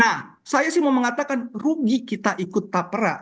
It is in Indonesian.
nah saya sih mau mengatakan rugi kita ikut tapera